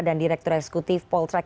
dan direktur eksekutif paul trak